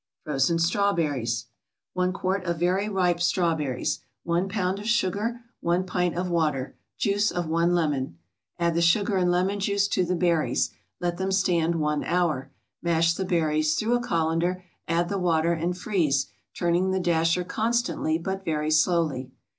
FROZEN STRAWBERRIES 1 quart of very ripe strawberries 1 pound of sugar 1 pint of water Juice of one lemon Add the sugar and lemon juice to the berries, let them stand one hour. Mash the berries through a colander, add the water, and freeze, turning the dasher constantly but very slowly.